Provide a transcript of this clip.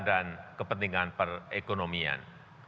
dan kepentingan perekonomian